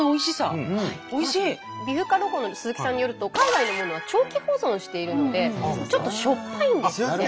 美深ロコの鈴木さんによると海外のものは長期保存しているのでちょっとしょっぱいんですって。